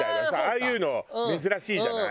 あいうの珍しいじゃない？